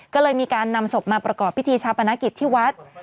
ก็เลยมีการนำศพมาประกอบพิธีชาปนกิจที่วัด